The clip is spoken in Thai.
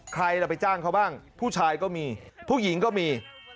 ใครล่ะไปจ้างเขาบ้างผู้ชายก็มีผู้หญิงก็มี